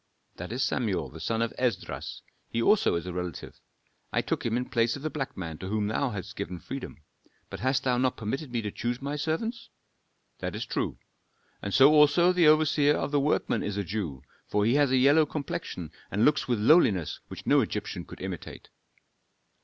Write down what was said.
"That is Samuel the son of Esdras; he also is a relative. I took him in place of the black man to whom thou hast given freedom. But hast thou not permitted me to choose my servants?" "That is true. And so also the overseer of the workmen is a Jew, for he has a yellow complexion and looks with a lowliness which no Egyptian could imitate."